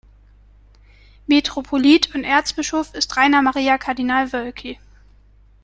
Metropolit und Erzbischof ist Rainer Maria Kardinal Woelki.